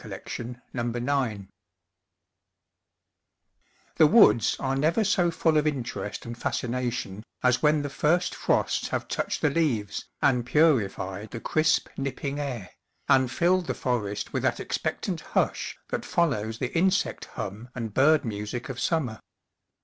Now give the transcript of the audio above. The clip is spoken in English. ii 161 THE AUTUMN WOOD PATH THE woods are never so full of interest and fascination as when the first frosts have touched the leaves, and purified the crisp, nipping air, and filled the forest with that expectant hush that follows the insect hum and bird music of summer.